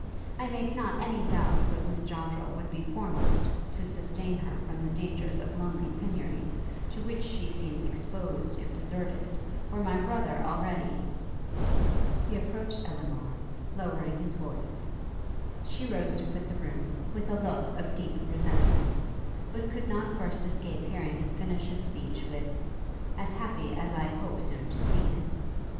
I make not any doubt but Miss Joddrel would be foremost to sustain her from the dangers of lonely penury, to which she seems exposed if deserted, were my brother already ' He approached Elinor, lowering his voice; she rose to quit the room, with a look of deep resentment; but could not first escape hearing him finish his speech with 'as happy as I hope soon to see him!'